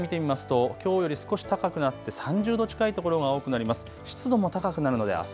最高気温見てみますときょうより少し高くなって３０度近い所が多くなります。